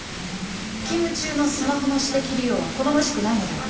勤務中のスマホの私的利用は好ましくないのでは。